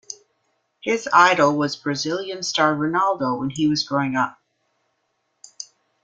His idol was Brazilian star Ronaldo when he was growing up.